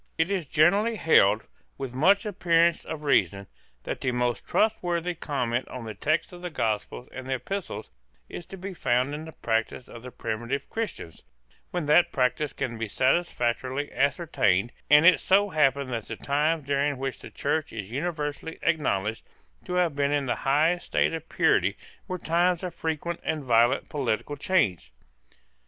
It is generally held, with much appearance of reason, that the most trustworthy comment on the text of the Gospels and Epistles is to be found in the practice of the primitive Christians, when that practice can be satisfactorily ascertained; and it so happened that the times during which the Church is universally acknowledged to have been in the highest state of purity were times of frequent and violent political change.